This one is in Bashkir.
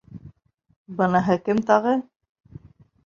Быныһы кем тағы?